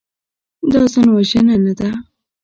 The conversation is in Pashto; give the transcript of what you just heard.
دا ځانوژنه نه ده.